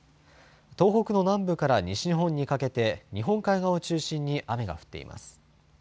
東北の南部から西日本にかけて日本海側を中心に雨が降っています。